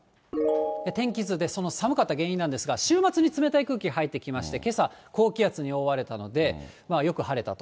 天気図で寒かった原因なんですが、週末に冷たい空気入ってきまして、けさ、高気圧に覆われたのでよく晴れたと。